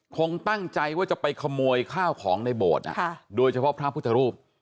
คงตั้งใจว่าจะไปขโมยข้าวของในโบสถ์โดยเฉพาะพระพุทธรูป